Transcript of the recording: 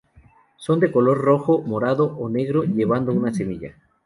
Son de color rojo, morado o negro llevando una semilla.